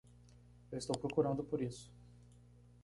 Eu estou procurando por isso.